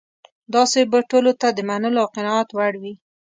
داسې به ټولو ته د منلو او قناعت وړ وي.